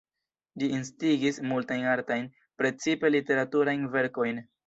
Ĝi instigis multajn artajn, precipe literaturajn verkojn.